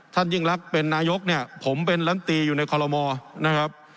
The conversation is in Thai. ยิ่งรักเป็นนายกเนี่ยผมเป็นลำตีอยู่ในคอลโลมอร์นะครับ